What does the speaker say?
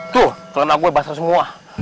tuh ternak gue basah semua